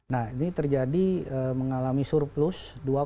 nah ini terjadi mengalami surplus